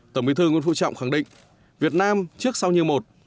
tổng bí thư nguyễn phú trọng khẳng định việt nam trước sau như một